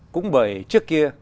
cũng bởi trước kia